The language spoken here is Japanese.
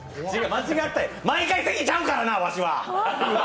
毎回、席ちゃうからな、わしは。